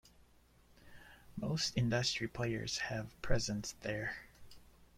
Most industry players have presence there.